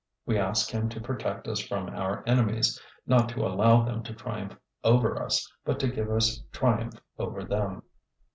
We ask Him to protect us from our enemies, not to allow them to triumph over us, but to give us triumph over them.